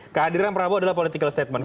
kehadiran prabowo adalah political statement